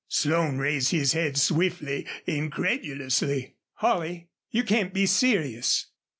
Slone raised his head swiftly, incredulously. "Holley! You can't be serious."